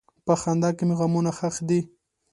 په خندا کې مې غمونه ښخ دي.